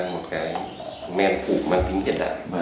một cái men phụ mang tính hiện đại